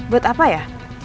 buat apa ya